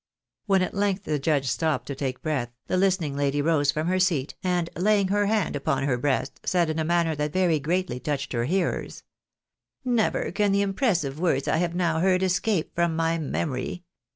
When at length the judge stopped to take breath, the hstening lady rose from her seat, and, laying her hand upon her breast, said, in a manner that very greatly touched her hearers —" Never can the impressive words I have now heard escape from my memory